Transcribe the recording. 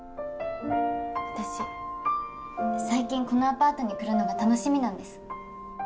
私最近このアパートに来るのが楽しみなんです。